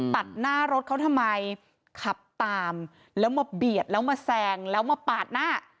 ตัดหน้ารถเขาทำไมขับตามแล้วมาเบียดแล้วมาแซงแล้วมาปาดหน้า